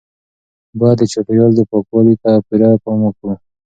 باید د چاپیریال پاکوالي ته پوره پام وکړو.